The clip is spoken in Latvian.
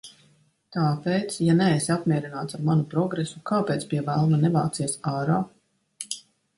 Tāpēc, ja neesi apmierināts ar manu progresu, kāpēc, pie velna, nevācies ārā?